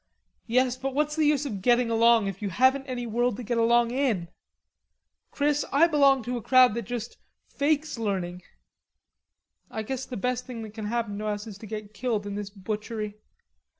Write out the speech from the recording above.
"Yes, but what's the use of getting along if you haven't any world to get along in? Chris, I belong to a crowd that just fakes learning. I guess the best thing that can happen to us is to get killed in this butchery.